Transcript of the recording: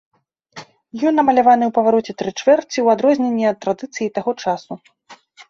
Ён намаляваны ў павароце тры чвэрці, у адрозненне ад традыцыі таго часу.